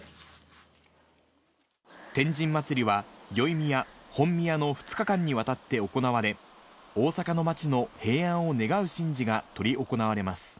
天神祭は宵宮・本宮の２日間にわたって行われ、大阪の街の平安を願う神事が執り行われます。